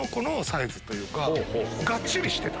がっちりしてた。